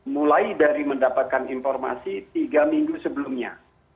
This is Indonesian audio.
mulai dari mendapatkan informasi tiga minggu sebelumnya